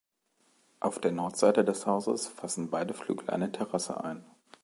Auf der Nordseite des Hauses fassen beide Flügel eine Terrasse ein.